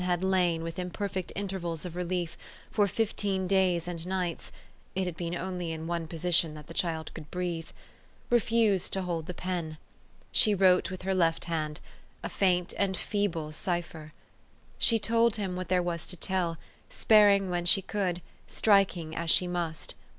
had lain, with imperfect intervals of relief, for fifteen days and nights (it had been only in one position that the child could breathe) refused to hold the pen. She wrote with her left hand, a faint and feeble cipher. She told him what there was to tell, sparing when she could, striking as she must.